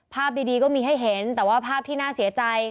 ภาพดีก็มีให้เห็นแต่ว่าภาพที่น่าเสียใจ